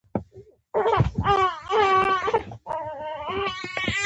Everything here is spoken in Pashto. د ځینو سمونپالو پاملرنه یې ځان ته راواړوله.